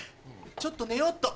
ちょっと寝ようっと。